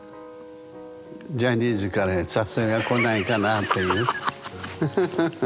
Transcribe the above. ジャニーズから誘いが来ないかなっていう？